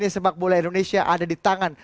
sepak bola indonesia ada di tangan